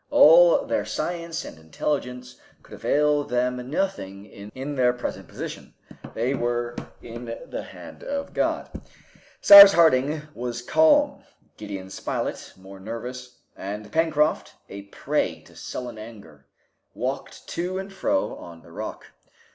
All their science and intelligence could avail them nothing in their present position. They were in the hand of God. Cyrus Harding was calm, Gideon Spilett more nervous, and Pencroft, a prey to sullen anger, walked to and fro on the rock.